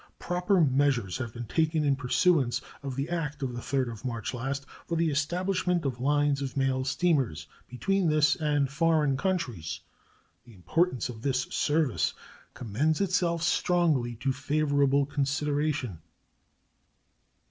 Proper measures have been taken in pursuance of the act of the 3d of March last for the establishment of lines of mail steamers between this and foreign countries. The importance of this service commends itself strongly to favorable consideration.